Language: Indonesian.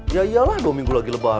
ya iyalah dua minggu lagi lebaran